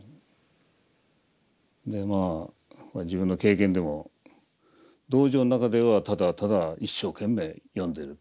でまあ自分の経験でも道場の中ではただただ一生懸命読んでると。